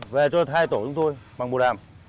về cho hai tổ chúng tôi bằng bộ đàm